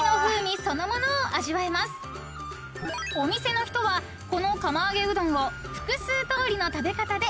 ［お店の人はこの釜揚げうどんを複数通りの食べ方で楽しむそうです］